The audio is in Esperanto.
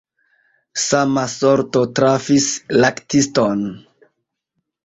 Sama sorto trafis laktiston.